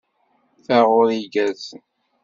Taɣuri igerrzen.